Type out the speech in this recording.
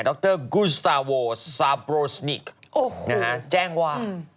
ดรกูสตาโวซาโบรสนิกแจ้งว่า